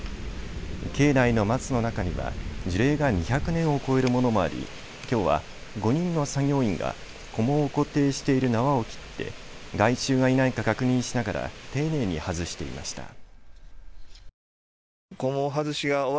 境内の松の中には樹齢が２００年を超えるものもありきょうは５人の作業員がこもを固定している縄を切って害虫がいないか確認してから丁寧に外していました。